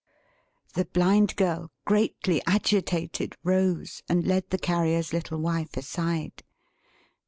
The Blind Girl, greatly agitated, rose, and led the Carrier's little wife aside.